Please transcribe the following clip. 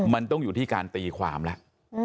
มันต้องอยู่ที่การตีความแล้ว